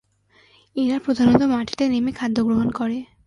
এরা প্রধানত মাটিতে নেমে খাদ্য গ্রহণ করে।